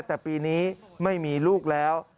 แต่ปีนี้ไม่มีลูกแล้ว